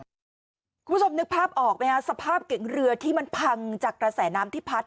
คุณผู้ชมนึกภาพออกไหมฮะสภาพเก๋งเรือที่มันพังจากกระแสน้ำที่พัด